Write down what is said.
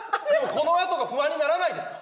このあとが不安にならないですか？